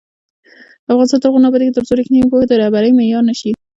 افغانستان تر هغو نه ابادیږي، ترڅو ریښتینې پوهه د رهبرۍ معیار نه شي.